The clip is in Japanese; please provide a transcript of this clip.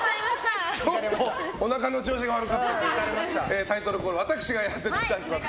ちょっと、おなかの調子が悪かったということでタイトルコールは私がやらせていただきます。